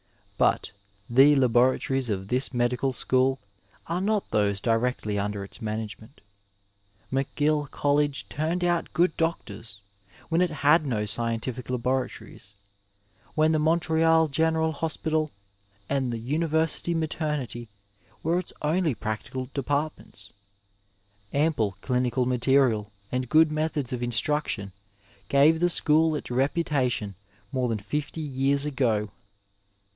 But the laboratories of this medical school are not those directly under its management. McGill College turned out good doctors when it had no scientific laboratories, when the Montreal General Hospital and the University Mater nity were its only practical departments. Ample clinical material and good methods of instruction gave the school itsjeputation more than fifty years ago.